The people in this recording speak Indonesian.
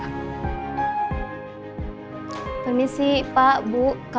tapi belom seperti apa